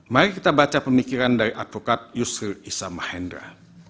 mari kita baca pemikiran dari advokat yusri issam mahendra